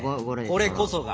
これこそが。